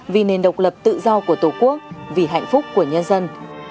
vì nền độc lập tự do của tổ quốc vì hạnh phúc của nhân dân